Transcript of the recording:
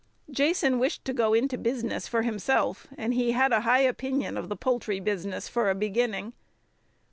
Jason wished to go into business for himself, and he had a high opinion of the poultry business for a beginning.